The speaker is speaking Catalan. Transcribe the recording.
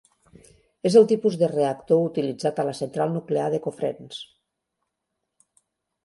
És el tipus de reactor utilitzat a la central nuclear de Cofrents.